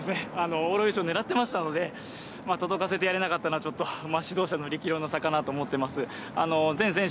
往路優勝を狙っていましたので、届かせてやれなかったのは指導者の力量の差だと思っています。